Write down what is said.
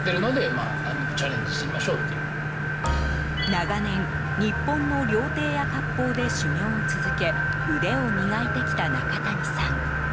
長年、日本の料亭や割烹で修業を続け腕を磨いてきた中谷さん。